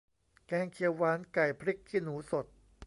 แกงเขียวหวานไก่พริกขี้หนูสด